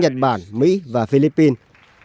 nhật bản mỹ và philippines